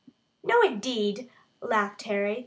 "No, indeed," laughed Harry.